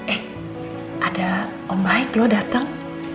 eh ada om baik lo datang